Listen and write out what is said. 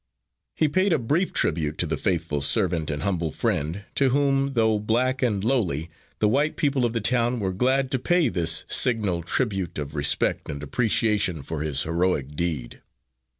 He paid a brief tribute to the faithful servant and humble friend, to whom, though black and lowly, the white people of the town were glad to pay this signal tribute of respect and appreciation for his heroic deed.